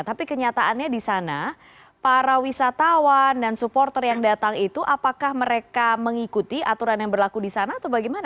tapi kenyataannya di sana para wisatawan dan supporter yang datang itu apakah mereka mengikuti aturan yang berlaku di sana atau bagaimana